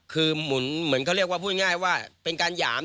คือหมุนเหมือนเขาเรียกว่าพูดง่ายว่าเป็นการหยาม